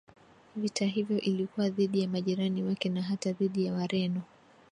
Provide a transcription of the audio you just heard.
Vita hiyo ilikuwa dhidi ya majirani wake na hata dhidi ya Wareno